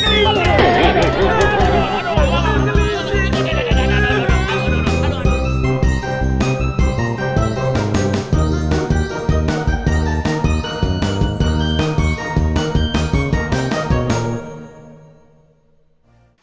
aduh aduh aduh